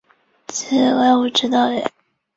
此盖古之道也。